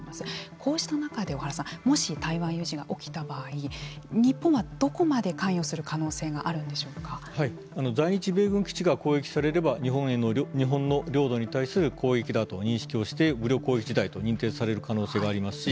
こうした中で小原さんもし台湾有事が起きた場合日本は、どこまで関与する可能性在日米軍基地が攻撃されれば日本の領土に対する攻撃だと認識をして武力攻撃事態と認定される可能性がありますし